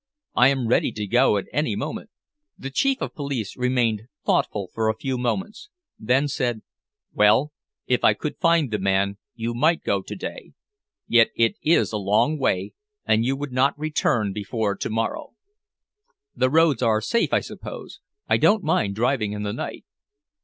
I am ready to go at any moment." The Chief of Police remained thoughtful for a few moments, then said "Well, if I could find the man, you might go to day. Yet it is a long way, and you would not return before to morrow." "The roads are safe, I suppose? I don't mind driving in the night."